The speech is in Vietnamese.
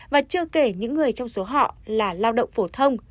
và chưa kể những người trong số họ là lao động phổ thông